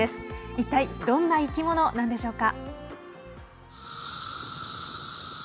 一体どんな生き物なんでしょうか。